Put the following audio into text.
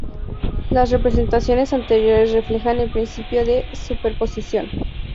Las representaciones anteriores reflejan el principio de superposición.